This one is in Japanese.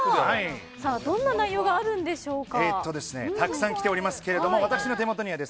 さあ、どんな内容があるんでしょうか。